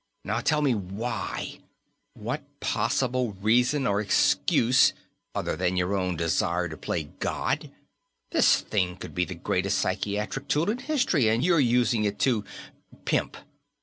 Now tell me why. What possible reason or excuse, other than your own desire to play God? This thing could be the greatest psychiatric tool in history, and you're using it to pimp!"